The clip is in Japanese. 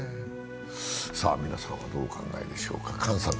皆さんは、どうお考えでしょうか。